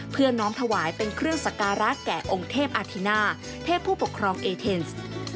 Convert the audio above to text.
น้อมถวายเป็นเครื่องสการะแก่องค์เทพอาธิน่าเทพผู้ปกครองเอเทนส์